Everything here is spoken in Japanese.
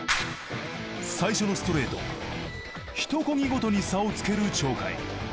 最初のストレートひとこぎごとに差をつける鳥海。